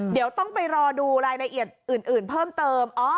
เดี๋ยวต้องไปรอดูรายละเอียดอื่นเพิ่มเติม